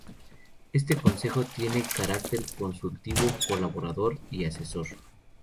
Este consejo tiene carácter consultivo, colaborador y asesor.